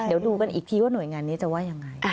เดี๋ยวดูกันอีกทีว่าหน่วยงานนี้จะว่ายังไง